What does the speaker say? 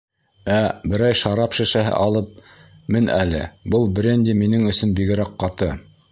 Ә, берәй шарап шешәһе алып мен әле, был бренди минең өсөн бигерәк ҡаты.